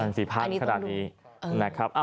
มันสี่พันธุ์ขนาดนี้นะครับ